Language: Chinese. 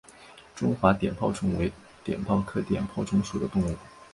中华碘泡虫为碘泡科碘泡虫属的动物。